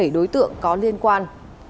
ba mươi bảy đối tượng có liên quan